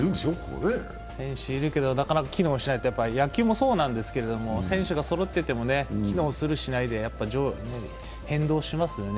いい選手いるけど、なかなか機能しないと、野球もそうなんですけど、選手がそろってても機能する、しないで変動しますよね